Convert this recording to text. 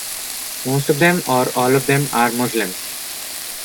Most of them or all of them are Muslims.